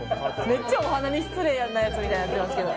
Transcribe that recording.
めっちゃお花に失礼なやつみたいになってますけど。